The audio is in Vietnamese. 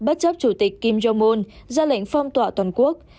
tối qua ngày một mươi sáu tháng năm chủ tịch kim jong un đã đặt lệnh phong tỏa toàn quốc